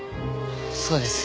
そうです。